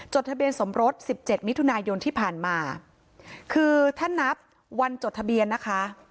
จดทะเบียนสมรส๑๗มิถุนายนที่ผ่านมาคือท่านนับวันจดทะเบียนนะคะ